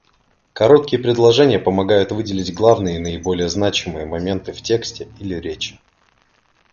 Короткие предложения помогают выделить главные и наиболее значимые моменты в тексте или речи.